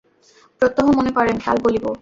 প্রত্যহ মনে করেন, কাল বলিব।